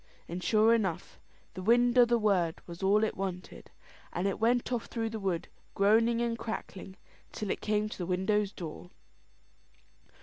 And sure enough, the wind o' the word was all it wanted. It went off through the wood, groaning and crackling, till it came to the widow's door.